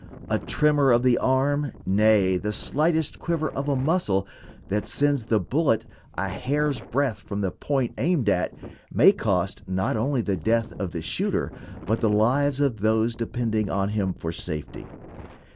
A tremor of the arm, nay, the slightest quiver of a muscle, that sends the bullet a hair's breadth from the point aimed at, may cost not only the death of the shooter, but the lives of those depending on him for safety.